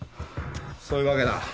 そういうわけだ。